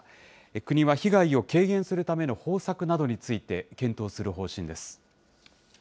国は被害を軽減するための方策などについて、検討する方針です。